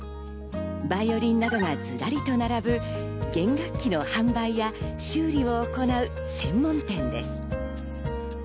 バイオリンなどがずらりと並ぶ弦楽器の販売や修理を行う専門店です。